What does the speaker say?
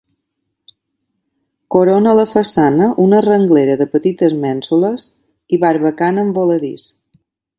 Corona la façana una renglera de petites mènsules i barbacana amb voladís.